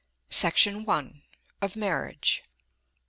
SECTION I. _Of Marriage.